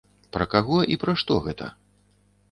Пра каго і пра што гэта?